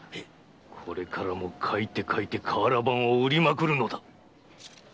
これからも書いて書いて瓦版を売りまくるのだ。